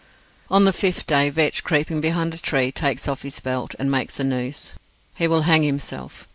On the fifth day, Vetch, creeping behind a tree, takes off his belt, and makes a noose. He will hang himself.